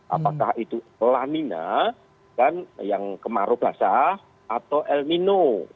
apakah itu lamina kan yang kemaru basah atau el nino